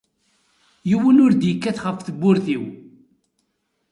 Yiwen ur d-yekkat ɣef tewwurt-iw.